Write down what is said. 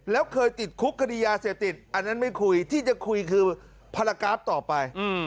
แล้วเคยติดคุกคดียาเสพติดอันนั้นไม่คุยที่จะคุยคือภารกราฟต่อไป